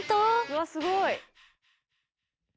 うわすごい。